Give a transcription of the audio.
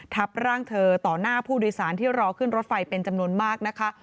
ทับร่างเธอต่อหน้าผู้โดยสารที่รอขึ้นรถไฟเป็นจำนวนมากนะคะ